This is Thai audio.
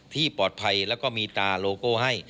ที่ปลอดภัยแล้วก็มีตาโลโก้ให้